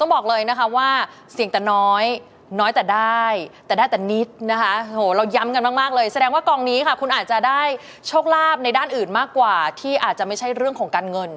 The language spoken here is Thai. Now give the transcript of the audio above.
มากกว่าที่อาจจะไม่ใช่เรื่องของการเงิน